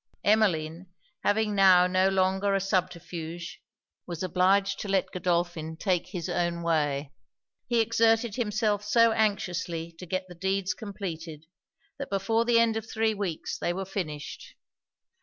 Emmeline, having now no longer a subterfuge, was obliged to let Godolphin take his own way. He exerted himself so anxiously to get the deeds completed, that before the end of three weeks they were finished.